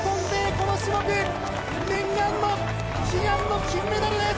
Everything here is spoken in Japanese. この種目念願の悲願の金メダルです。